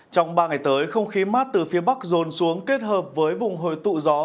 trong ba ngày tới không khí mát từ phía bắc rồn xuống kết hợp với vùng hồi tụ gió